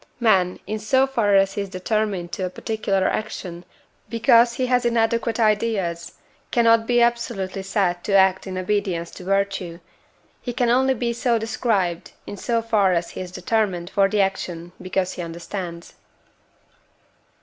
Man, in so far as he is determined to a particular action because he has inadequate ideas, cannot be absolutely said to act in obedience to virtue; he can only be so described, in so far as he is determined for the action because he understands.